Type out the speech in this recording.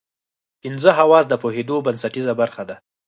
پنځه حواس د پوهېدو بنسټیزه برخه ده.